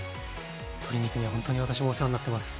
鶏肉にはほんとに私もお世話になってます。